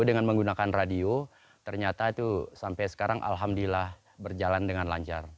dengan menggunakan radio ternyata itu sampai sekarang alhamdulillah berjalan dengan lancar